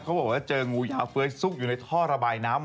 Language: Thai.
บอกว่าเจองูยาเฟ้ยซุกอยู่ในท่อระบายน้ำ